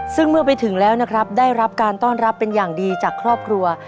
ซึ่งเมื่อไปถึงแล้วนะครับได้รับการต้อนรับเป็นอย่างดีจากครอบครัว